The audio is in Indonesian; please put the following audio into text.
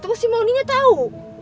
terus si mondinya tau